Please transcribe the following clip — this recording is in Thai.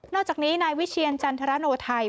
อกจากนี้นายวิเชียรจันทรโนไทย